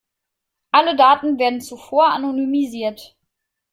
Alle Daten werden zuvor anonymisiert.